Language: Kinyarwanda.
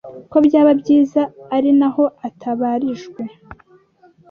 ko byaba byiza ari naho atabarijwe